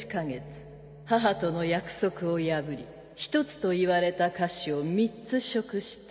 母との約束を破り１つと言われた菓子を３つ食した。